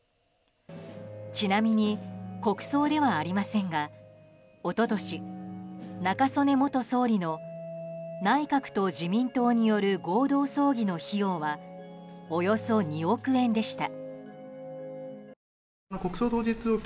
ちなみに国葬ではありませんが一昨年、中曽根元総理の内閣と自民党による合同葬儀の費用はおよそ２億円でした。